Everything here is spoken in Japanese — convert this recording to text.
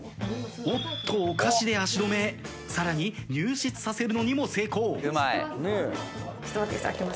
おっとお菓子で足止めさらに入室させるのにも成功。